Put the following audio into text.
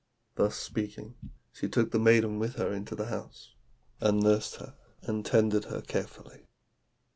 "Thus speaking, she took the maiden with her into the house, and nursed her, and tended her carefully.